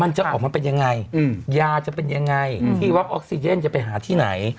มันจะออกมาเป็นยังไงยาจะเป็นยังไงที่วัดออกซิเจนจะไปหาที่ไหน